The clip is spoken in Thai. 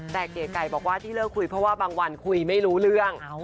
แต่เก๋ไก่บอกว่าที่เลิกคุยเพราะว่าบางวันคุยไม่รู้เรื่อง